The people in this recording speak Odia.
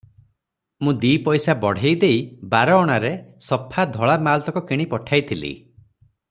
ମୁଁ ଦି ପଇସା ବଢେଇ ଦେଇ ବାର ଅଣାରେ ସଫା ଧଳା ମାଲତକ କିଣି ପଠାଇଥିଲି ।